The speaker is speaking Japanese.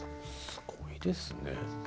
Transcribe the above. すごいですね。